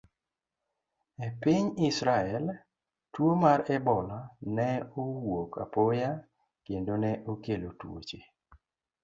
E piny Israel, tuwo mar Ebola ne owuok apoya kendo ne okelo tuoche.